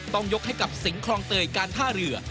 ต้องยกให้กับสิงคลองเตยการท่าเรือ